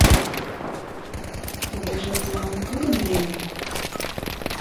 «Тугеже план тудын дене?»